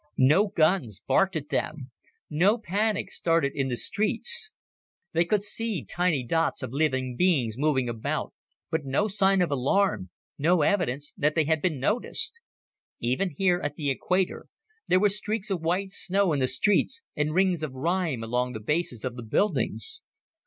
No guns barked at them. No panic started in the streets. They could see tiny dots of living beings moving about, but no sign of alarm, no evidence that they had been noticed. Even here, at the equator, there were streaks of white snow in the streets and rings of rime along the bases of the buildings.